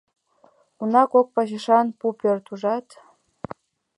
Уна, кок пачашан пу пӧрт, ужат?